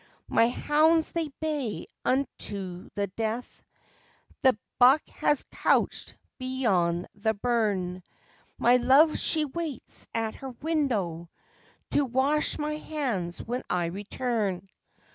"My hounds they bay unto the death, The buck has couched beyond the burn, My love she waits at her window To wash my hands when I return.